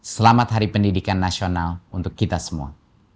selamat hari pendidikan nasional untuk kita semua